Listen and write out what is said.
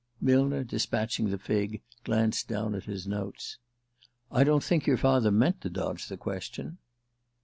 Millner, despatching the fig, glanced down at his notes. "I don't think your father meant to dodge the question."